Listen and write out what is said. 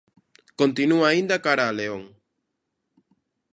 Continúa aínda cara a León.